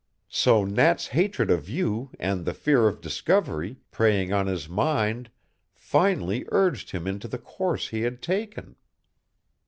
"So Nat's hatred of you and the fear of discovery, preying on his mind, finally urged him into the course he has taken."